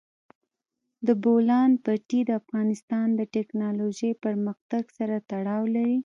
د بولان پټي د افغانستان د تکنالوژۍ پرمختګ سره تړاو لري.